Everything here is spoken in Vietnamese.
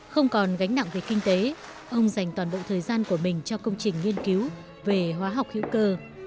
không còn gánh nặng về kinh tế ông dành toàn bộ thời gian của mình cho công trình nghiên cứu về hóa học hữu cơ